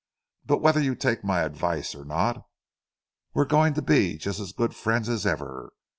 But whether you take my advice or not, we're going to be just as good friends as ever.